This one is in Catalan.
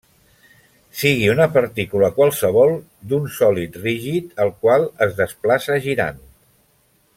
Sigui una partícula qualsevol d'un sòlid rígid el qual es desplaça girant.